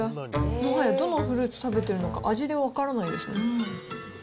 もはや、どのフルーツ食べてるのか、味で分からないですよ。